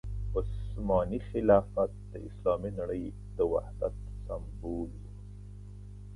عثماني خلافت د اسلامي نړۍ د وحدت سمبول وو.